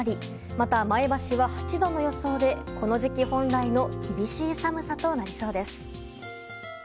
また、前橋は８度の予想でこの時期本来の厳しい寒さとなりそうです。